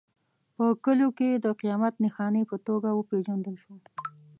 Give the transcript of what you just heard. په کلیو کې د قیامت نښانې په توګه وپېژندل شو.